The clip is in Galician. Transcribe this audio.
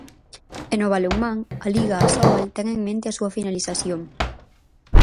E no balonmán, a Liga Asobal ten en mente a súa finalización.